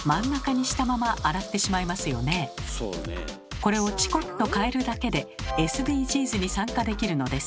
これをチコっと変えるだけでＳＤＧｓに参加できるのです。